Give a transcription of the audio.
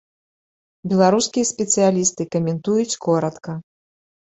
Беларускія спецыялісты каментуюць коратка.